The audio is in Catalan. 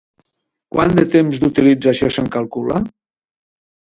Quant de temps d'utilització se'n calcula?